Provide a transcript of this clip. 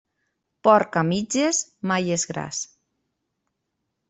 Porc a mitges, mai és gras.